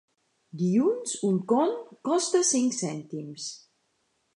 Dilluns un con costa cinc cèntims.